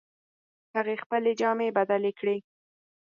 هغې خپلې جامې بدلې کړې